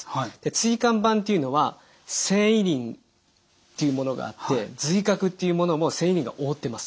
椎間板っていうのは線維輪というものがあって髄核っていうものも線維輪が覆ってます。